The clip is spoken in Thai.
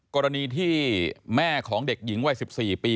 กรณีที่แม่ของเด็กหญิงวัย๑๔ปี